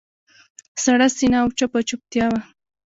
سړه سینه او چپه چوپتیا وه.